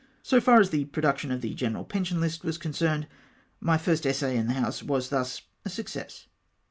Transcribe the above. So far as the production of the general pension hst was concerned, my first essay in the House was thus a success.